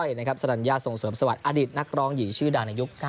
คุณก้อยนะครับสดัญญาส่งเสริมสวัสดิ์อดิษฐ์นักร้องหญิงชื่อดาในยุค๙๐นะครับ